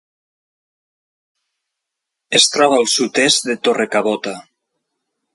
Es troba al sud-est de Torrecabota.